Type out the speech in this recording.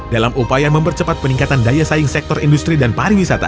dalam upaya mempercepat peningkatan daya saing sektor industri dan pariwisata